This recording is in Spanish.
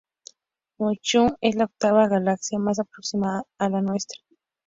McMahon es la octava galaxia más próxima a la nuestra.